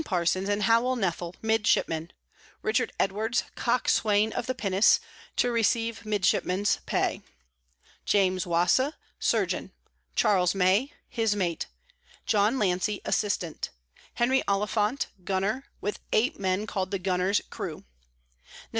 Parsons_ and Howel Knethel, Midshipmen; Richard Edwards, Coxswain of the Pinnace, to receive Midshipmens Pay; James Wasse, Surgeon; Charles May, his Mate; John Lancy, Assistant; Henry Oliphant, Gunner, with eight Men call'd the Gunner's Crew; _Nath.